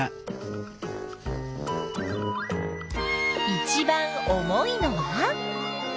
いちばん重いのは？